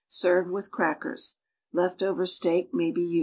Serve AA'ith crackers. Left over steak may be used.